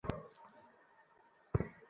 আমি তাকে মারিনি।